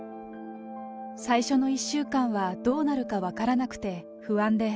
最初の１週間はどうなるか分からなくて不安で。